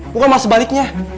bukan masa baliknya